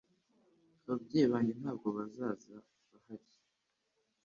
Ababyeyi banjye ntabwo bazaba bahari